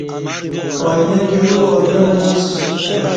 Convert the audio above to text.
آینہ تیو آینہ اوڅ